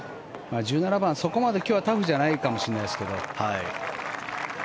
１７番、そこまで今日はタフじゃないかもしれないですけど。